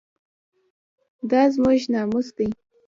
دا زموږ ناموس دی